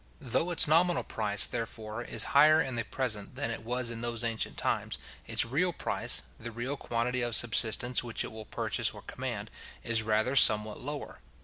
Through its nominal price, therefore, is higher in the present than it was in those ancient times, its real price, the real quantity of subsistence which it will purchase or command, is rather somewhat lower.